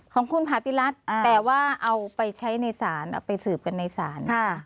ของคุณผาติรัฐแต่ว่าเอาไปใช้ในศาลเอาไปสืบกันในศาล